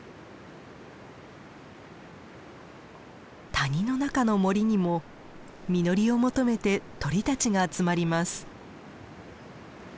谷の中の森にも実りを求めて鳥たちが集まります。